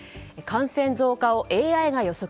感染増加をＡＩが予測。